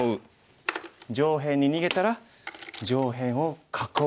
上辺に逃げたら上辺を囲う。